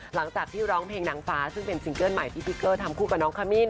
หลังจากที่ร้องเพลงนางฟ้าซึ่งเป็นซิงเกิ้ลใหม่ที่พี่เกอร์ทำคู่กับน้องขมิ้น